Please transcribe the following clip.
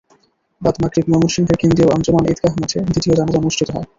বাদ মাগরিব ময়মনসিংহের কেন্দ্রীয় আঞ্জুমান ঈদগাহ মাঠে দ্বিতীয় জানাজা অনুষ্ঠিত হয়।